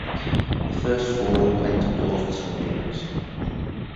To the first floor are planked doors with small windows.